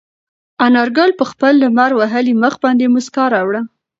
انارګل په خپل لمر وهلي مخ باندې موسکا راوړه.